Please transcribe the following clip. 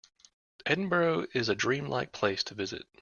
Edinburgh is a dream-like place to visit.